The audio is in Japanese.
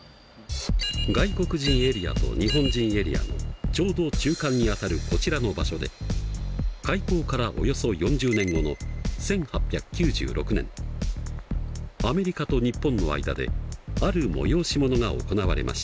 外国人エリアと日本人エリアのちょうど中間にあたるこちらの場所で開港からおよそ４０年後の１８９６年アメリカと日本の間である催し物が行われました。